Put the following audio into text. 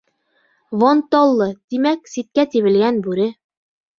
Вон-толла, тимәк, ситкә тибелгән бүре.